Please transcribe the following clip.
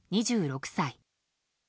２６歳。